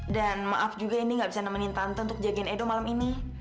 dan maaf juga indi nggak bisa nemenin tante untuk jagain edo malam ini